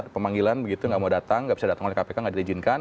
pemanggilan begitu nggak mau datang nggak bisa datang oleh kpk nggak diizinkan